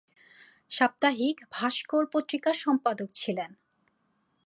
সাপ্তাহিক "ভাস্কর" পত্রিকার সম্পাদক ছিলেন।